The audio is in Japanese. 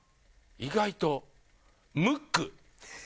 意外とムック。